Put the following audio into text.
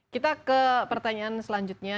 kita ke pertanyaan selanjutnya